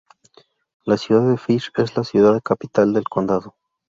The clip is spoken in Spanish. La ciudad de Fish es la ciudad capital del condado.